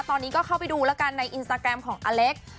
ตอนนี้ก็เข้าไปดูแล้วกันในอินสตาแกรมของอเล็ก